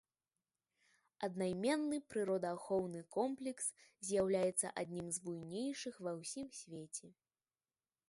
Аднайменны прыродаахоўны комплекс з'яўляецца аднім з буйнейшых ва ўсім свеце.